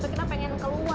kita pengen keluar